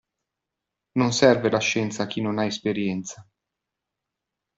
Non serve la scienza a chi non ha esperienza.